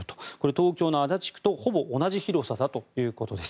東京の足立区とほぼ同じ広さだということです。